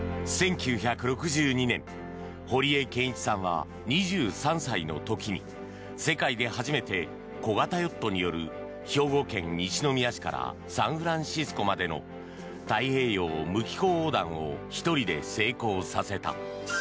１９６２年、堀江謙一さんは２３歳の時に世界で初めて小型ヨットによる兵庫県西宮市からサンフランシスコまでの太平洋無寄港横断を１人で成功させた。